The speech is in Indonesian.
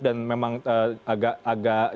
dan memang agak